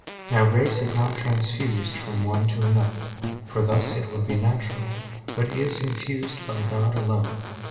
Now grace is not transfused from one to another, for thus it would be natural; but is infused by God alone.